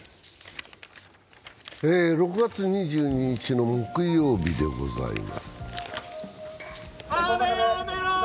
６月２２日の木曜日でございます。